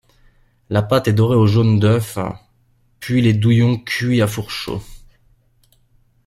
La pâte est dorée au jaune d’œuf puis les douillons cuits à four chaud.